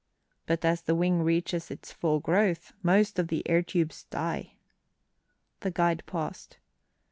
But as the wing reaches its full growth most of the air tubes die." The guide paused.